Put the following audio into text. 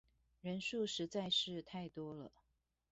人數實在是太多了